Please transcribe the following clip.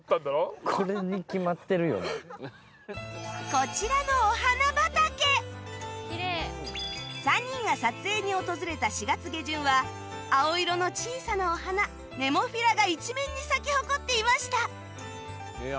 こちらの３人が撮影に訪れた４月下旬は青色の小さなお花ネモフィラが一面に咲き誇っていました